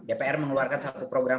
dpr mengeluarkan satu program